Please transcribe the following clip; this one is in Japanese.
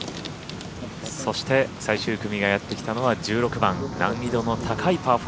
そして最終組がやってきたのは１６番難易度の高いパー４。